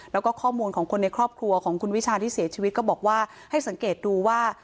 แล้วก็ข้อมูลของคนในครอบครัวของคุณวิชาที่เสียชีวิตก็บอกว่าให้สังเกตดูว่า